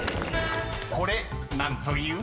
［これ何という？］